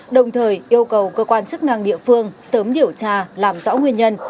đồng thời yêu cầu cơ quan chức năng địa phương sớm điều tra làm rõ nguyên nhân